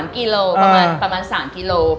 กิโลประมาณ๓กิโล